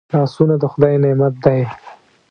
لاسونه د خدای نعمت دی